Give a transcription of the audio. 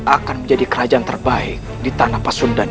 akan menjadi kerajaan terbaik di tanah pasundan